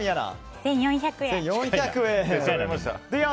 １４００円。